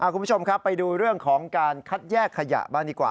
คุณผู้ชมครับไปดูเรื่องของการคัดแยกขยะบ้างดีกว่า